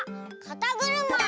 「かたぐるま」！